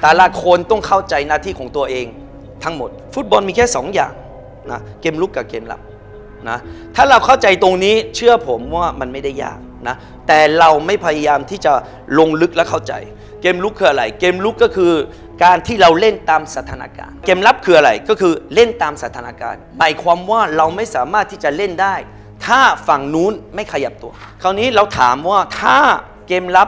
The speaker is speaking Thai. แต่ละคนต้องเข้าใจหน้าที่ของตัวเองทั้งหมดฟุตบอลมีแค่สองอย่างนะเกมลุกกับเกมรับนะถ้าเราเข้าใจตรงนี้เชื่อผมว่ามันไม่ได้ยากนะแต่เราไม่พยายามที่จะลงลึกแล้วเข้าใจเกมลุกคืออะไรเกมลุกก็คือการที่เราเล่นตามสถานการณ์เกมลับคืออะไรก็คือเล่นตามสถานการณ์หมายความว่าเราไม่สามารถที่จะเล่นได้ถ้าฝั่งนู้นไม่ขยับตัวคราวนี้เราถามว่าถ้าเกมรับ